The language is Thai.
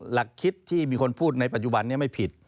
หลักคิดที่มีคนพูดในปัจจุบันนี้ไม่ผิด